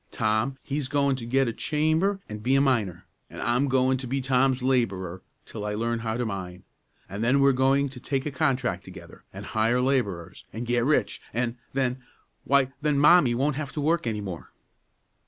Tom, he's goin' to get a chamber an' be a miner, an' I'm goin' to be Tom's laborer till I learn how to mine, an' then we're goin' to take a contract together, an' hire laborers, an' get rich, an' then why, then Mommie won't have to work any more!"